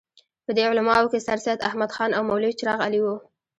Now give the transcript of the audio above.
په دې علماوو کې سرسید احمد خان او مولوي چراغ علي وو.